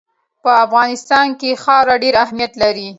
په افغانستان کې خاوره ډېر اهمیت لري.